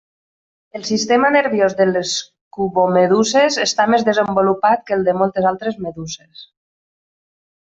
El sistema nerviós de les cubomeduses està més desenvolupat que el de moltes altres meduses.